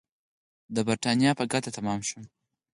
د برېټانیا په ګټه تمام شول.